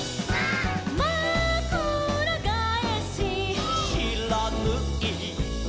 「まくらがえし」「」「しらぬい」「」